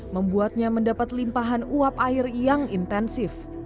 membuatnya mendapat limpahan uap air yang intensif